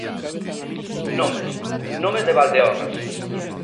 Nomes, nomes de Valdeorras.